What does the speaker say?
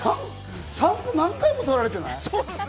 散歩、何回も撮られてない？